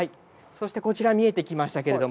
こちら、見えてきましたけれども。